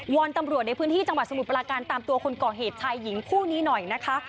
อนตำรวจในพื้นที่จังหวัดสมุทรปราการตามตัวคนก่อเหตุชายหญิงคู่นี้หน่อยนะคะ